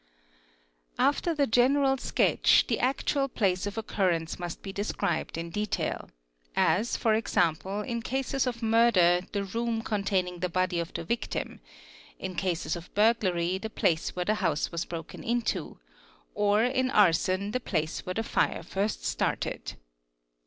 After the general sketch, the actual place of occurrence must described in detail, as e.g. in cases of murder the room containing the — body of the victim, in cases of burglary the place where the house was broken into, or in arson the place where the fire first started.